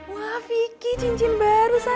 wah vicky cincin baru saja